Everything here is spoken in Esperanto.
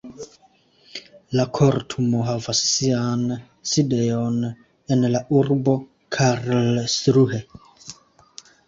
La kortumo havas sian sidejon en la urbo Karlsruhe.